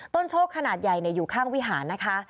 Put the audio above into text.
โชคขนาดใหญ่อยู่ข้างวิหารนะคะ